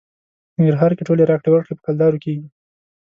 په ننګرهار کې ټولې راکړې ورکړې په کلدارې کېږي.